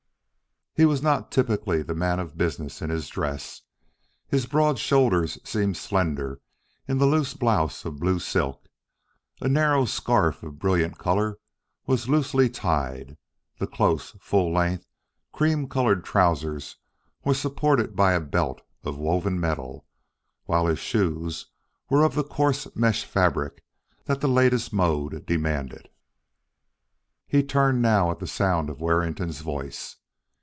He was not typically the man of business in his dress. His broad shoulders seemed slender in the loose blouse of blue silk; a narrow scarf of brilliant color was loosely tied; the close, full length cream colored trousers were supported by a belt of woven metal, while his shoes were of the coarse mesh fabric that the latest mode demanded. He turned now at the sound of Warrington's voice.